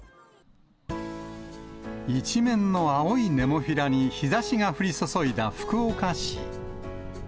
一面の青いネモフィラに日ざしが降り注いだ福岡市。